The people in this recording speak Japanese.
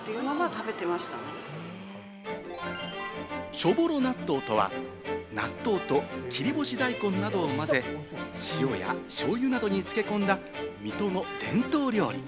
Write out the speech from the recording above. しょぼろ納豆とは納豆と切り干し大根などを混ぜ、塩やしょうゆなどに漬け込んだ、水戸の伝統料理。